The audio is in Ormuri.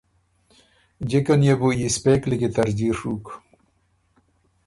جکه نيې بو یِسپېک لیکی ترجیع ڒُوک۔